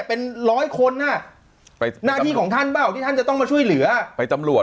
เป็น๑๐๐คนเป็นหน้าที่ของท่านบ้างจะต้องมาช่วยเหรือไปตำรวจ